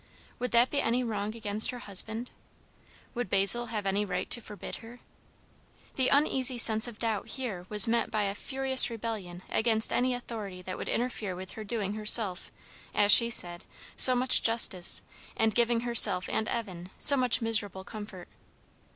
Would that be any wrong against her husband? Would Basil have any right to forbid her? The uneasy sense of doubt here was met by a furious rebellion against any authority that would interfere with her doing herself as she said so much justice, and giving herself and Evan so much miserable comfort.